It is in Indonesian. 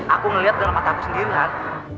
aku ngeliat dalam mata aku sendiri han